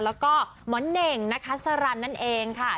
แล้วก็หมอเน่งนะคะสรรนั่นเองค่ะ